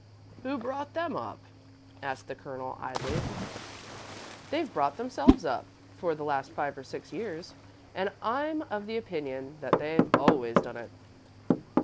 "Who brought them up?" asked the Colonel idly. "They've brought themselves up, for the last five or six years, and I'm of the opinion that they've always done it."